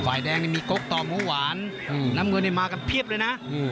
ฝ่ายแดงนี่มีโก๊กต่อหมูหวานอืมนำเงินนี่มากันเพียบเลยน่ะอืม